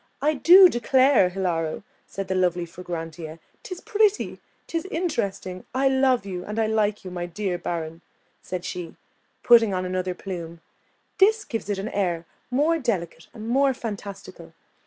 "I do declare, Hilaro," said the lovely Fragrantia, "'tis pretty, 'tis interesting; I love you, and I like you, my dear Baron," said she, putting on another plume: "this gives it an air more delicate and more fantastical.